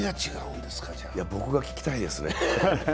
僕が聞きたいですね。